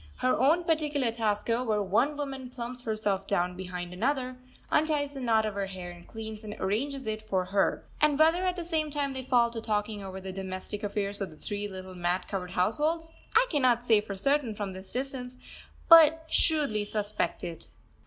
Her own particular task over, one woman plumps herself down behind another, unties the knot of her hair and cleans and arranges it for her; and whether at the same time they fall to talking over the domestic affairs of the three little mat covered households I cannot say for certain from this distance, but shrewdly suspect it.